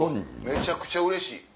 めちゃくちゃうれしい。